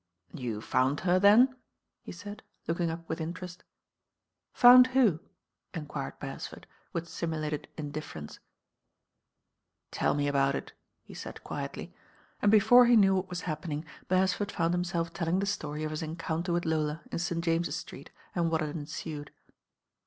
"You found her then?" he said, looking up with interest. "Found who?" enquired Beresford, with simu lated indifference. > THE BAIN OIRL "TeU me about it," he Mid quietly, and before he knew what was happening, Bereiford found himself tellmg the itory of hit encounter with Lola in St Jamei't Street and what had ensued.